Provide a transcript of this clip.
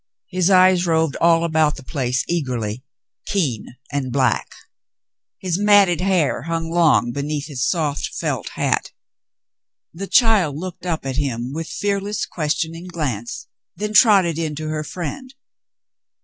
His eyes roved all about the place eagerly, keen and black. His matted hair hung long beneath his soft felt hat. The child looked up at him with fearless, questioning glance, then trotted in to her friend.